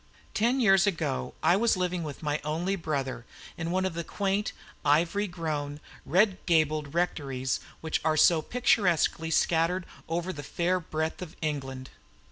Ten years ago I was living with my only brother in one of the quaint, ivy grown, red gabled rectories which are so picturesquely scattered over the fair breadth of England.